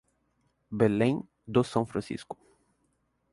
Belém do São Francisco